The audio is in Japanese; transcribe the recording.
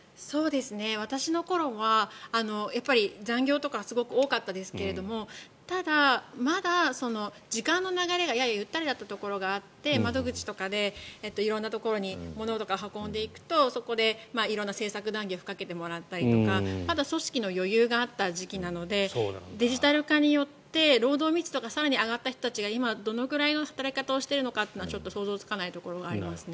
私の頃は残業とかすごく多かったですがただ、まだ時間の流れがゆったりだったところがあって窓口とかで色んなところにものとかを運んでいくとそこで色んな政策談議を吹っかけてもらったりとかまだ組織の余裕があった時期なのでデジタル化によって労働密度が更に上がった人たちが今、どのくらいの働き方をしているのかはちょっと想像つかないところがあります。